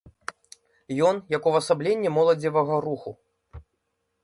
Ён як увасабленне моладзевага руху.